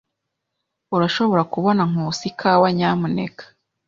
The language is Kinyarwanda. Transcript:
Urashobora kubona Nkusi ikawa, nyamuneka?